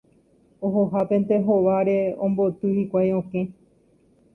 Ohohápente hóvare omboty hikuái okẽ.